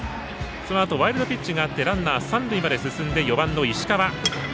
そのあとワイルドピッチがあってランナー、三塁まで進んで４番の石川。